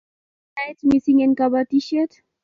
Tindo naet mising en kabarasteishet